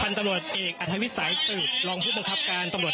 ภันทรเอกอธวิสัยสุธิ์ลองพูดประภาปการณ์ตรรผลบัน๑